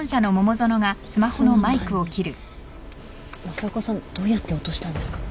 政岡さんどうやって落としたんですか？